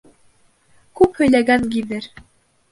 Күп һөйләгән гиҙер.